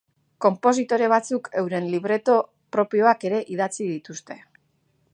Konpositore batzuk euren libreto propioak ere idatzi dituzte.